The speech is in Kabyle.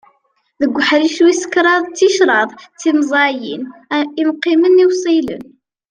Deg uḥric wis kraḍ d ticraḍ timazzayin: imqimen iwsilen.